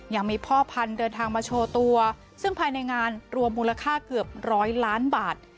ยังมีพ่อพันธุ์เดินทางมาโชว์ตัวซึ่งภายในงานรวมมูลค่าเกือบร้อยล้านบาท